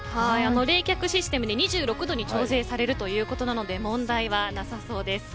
冷却システムで２６度に調整されるということなので問題はなさそうです。